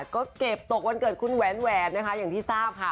ก็เก็บตกวันเกิดคุณแหวนแหวนนะคะอย่างที่ทราบค่ะ